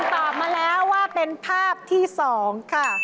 อ่าคุณลุงตอบมาแล้วว่าเป็นภาพที่๒ค่ะ